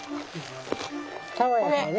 爽やかでね。